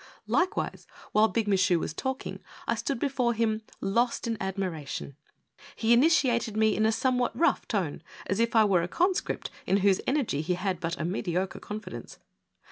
Likewise while Big Michu was talking I stood befove him lost in admiration. He initiated me in a somewhat rough tone, as if I were a conscript in whose energy he had but a mediocre confidence.